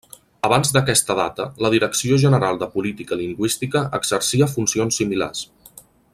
Abans d'aquesta data la Direcció General de Política Lingüística exercia funcions similars.